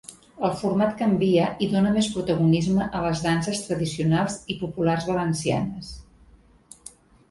El format canvia i dóna més protagonisme a les danses tradicionals i populars valencianes.